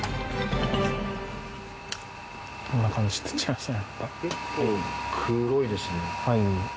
こんな感じはい